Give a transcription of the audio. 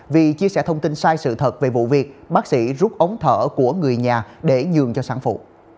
vì chia sẻ thông tin sai sự thật về vụ việc bác sĩ rút ống thở của người nhà để nhường cho sản phụ